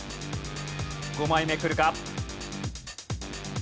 ５枚目くるか？